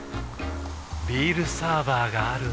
ビールサーバーがある夏。